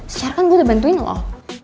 secara kan gue udah bantuin lo